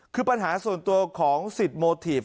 คือปัญหาส่วนตัวของสิทธิ์โมทีฟ